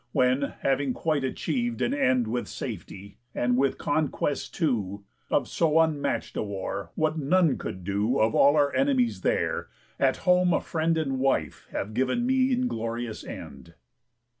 When, having quite achiev'd An end with safety, and with conquest, too, Of so unmatch'd a war, what none could do Of all our enemies there, at home a friend And wife have giv'n me inglorious end?"